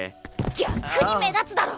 逆に目立つだろ！